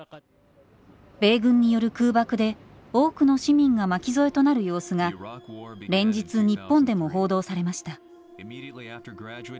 米軍による空爆で多くの市民が巻き添えとなる様子が連日日本でも報道されました。